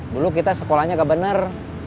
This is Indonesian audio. dulu kita sekolahnya gak benar